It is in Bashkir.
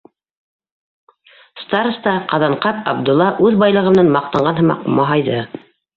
Староста Ҡаҙанҡап Абдулла үҙ байлығы менән маҡтанған һымаҡ маһайҙы: